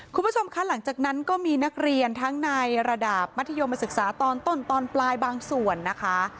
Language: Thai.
คุณผู้ชมคะหลังจากนั้นก็มีนักเรียนทั้งในระดับมัธยมศึกษาตอนต้นตอนปลายบางส่วนนะคะ